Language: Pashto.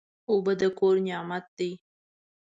اوبه د کور نعمت دی.